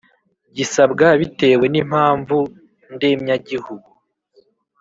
gisabwa bitewe n impamvu ndemyagihugu